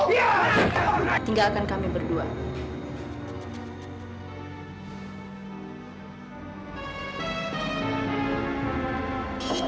tiba tiba saja tadi mereka menyergap saya